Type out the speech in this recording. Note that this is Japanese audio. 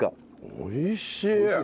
おいしい！